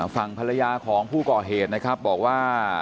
ฝั่งภรรยาของผู้ก่อเหตุนะครับบอกว่า